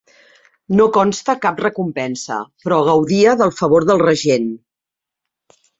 No consta cap recompensa, però gaudia del favor del regent.